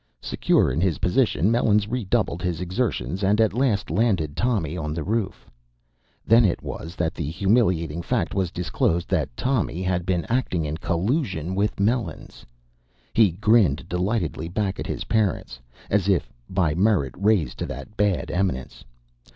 Secure in his position, Melons redoubled his exertions and at last landed Tommy on the roof. Then it was that the humiliating fact was disclosed that Tommy had been acting in collusion with Melons. He grinned delightedly back at his parents, as if "by merit raised to that bad eminence."